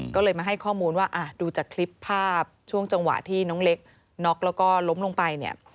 ก็เลยมาให้ข้อมูลว่าดูจากคลิปภาพช่วงจังหวะที่น้องเล็กน็อกแล้วก็ล้มลงไปเนี่ย